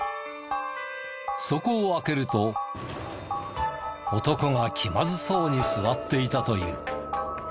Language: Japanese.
そこを開けると男が気まずそうに座っていたという。